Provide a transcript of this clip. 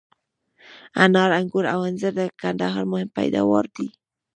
انار، آنګور او انځر د کندهار مهم پیداوار دي.